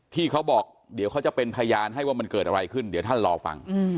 ที่เขาบอกเดี๋ยวเขาจะเป็นพยานให้ว่ามันเกิดอะไรขึ้นเดี๋ยวท่านรอฟัง